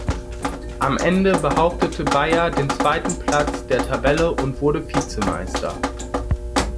Am Ende behauptete Bayer den zweiten Platz der Tabelle und wurde Vizemeister.